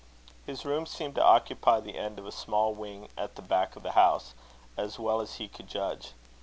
His rooms seemed to occupy the end of a small wing at the back of the house, as well as he could judge.